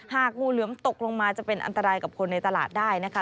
งูเหลือมตกลงมาจะเป็นอันตรายกับคนในตลาดได้นะคะ